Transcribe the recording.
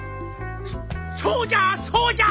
そっそうじゃそうじゃ。